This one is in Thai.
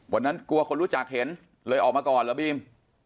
วันนั้นกลัวคนรู้จักเห็นเลยออกมาก่อนเหรอบีม